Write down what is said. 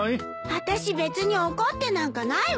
あたし別に怒ってなんかないわよ。